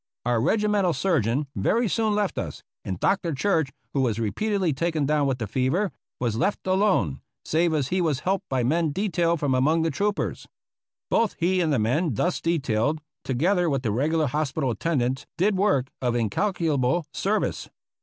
Our regimental surgeon very soon left us, and Dr. Church, who was repeat edly taken down with the fever, was left alone — save as he was helped by men detailed from among the troopers. Both he and the men thus detailed, together with the reg ular hospital attendants, did work of incalculable service.